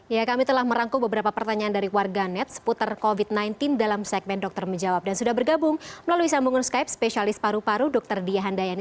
ya kami telah merangkul beberapa pertanyaan dari warganet seputar covid sembilan belas dalam segmen dokter menjawab dan sudah bergabung melalui sambungan skype spesialis paru paru dr dia handayani